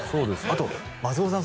あと松尾さん